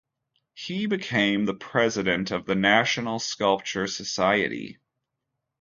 He became the president of the National Sculpture Society.